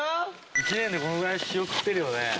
１年でこれぐらい塩、食ってるよね。